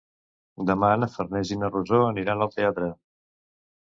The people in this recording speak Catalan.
Demà na Farners i na Rosó aniran al teatre.